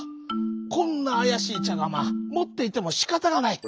こんなあやしいちゃがまもっていてもしかたがない。